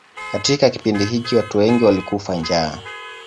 Katika kipindi hiki watu wengi walikufa njaa.